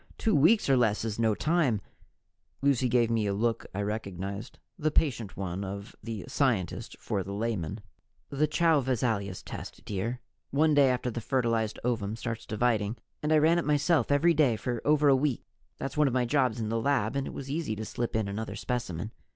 Two weeks or less is no time " Lucy gave me a look I recognized, the patient one of the scientist for the layman. "The Chow Visalius test, dear. One day after the fertilized ovum starts dividing " "And I ran it myself every day for over a week. That's one of my jobs in the lab and it was easy to slip in another specimen.